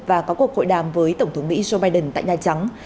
và có cuộc hội đàm với tổng thống mỹ joe biden tại nhà trắng